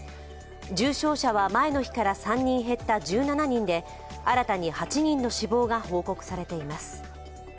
重症者は前の日から３人減った１７人で新たに８人の死亡が報告されています。